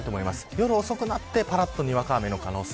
夜遅くなってにわか雨の可能性。